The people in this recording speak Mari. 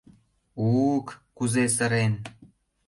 — У-ук, кузе сырен...